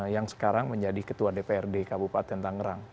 yang sekarang menjadi ketua dprd kabupaten tangerang